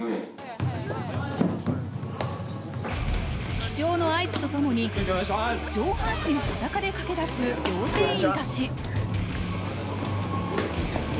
起床の合図とともに上半身裸で駆け出す養成員たち。